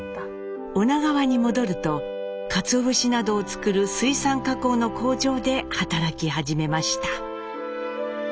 女川に戻るとかつお節などを作る水産加工の工場で働き始めました。